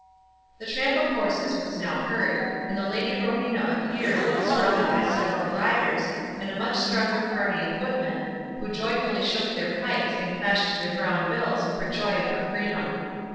The tramp of horses was now heard, and the Lady Rowena appeared, surrounded by several riders, and a much stronger party of footmen, who joyfully shook their pikes and clashed their brown bills for joy of her freedom.